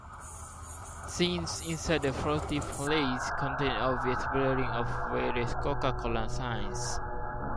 Scenes inside the Frosty Palace contain obvious blurring of various Coca-Cola signs.